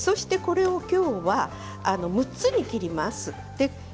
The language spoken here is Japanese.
きょうは６つに切ります。